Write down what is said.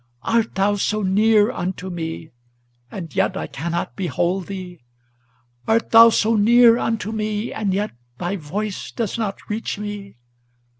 Art thou so near unto me, and yet I cannot behold thee? Art thou so near unto me, and yet thy voice does not reach me?